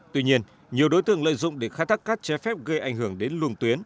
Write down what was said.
tuy nhiên nhiều đối tượng lợi dụng để khai thác cát trái phép gây ảnh hưởng đến luồng tuyến